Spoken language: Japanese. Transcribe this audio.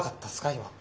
今。